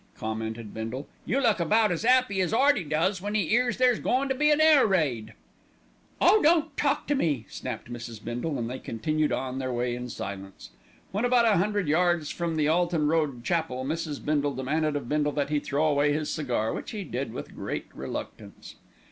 commented Bindle. "You look about as 'appy as 'Earty does when 'e 'ears there's goin' to be an air raid." "Oh, don't talk to me!" snapped Mrs. Bindle; and they continued on their way in silence. When about a hundred yards from the Alton Road Chapel, Mrs. Bindle demanded of Bindle that he throw away his cigar, which he did with great reluctance.